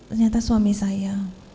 ternyata suami saya